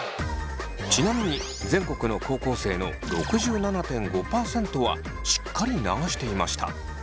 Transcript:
ちなみに全国の高校生の６７．５％はしっかり流していました。